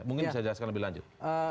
mungkin bisa dijelaskan lebih lanjut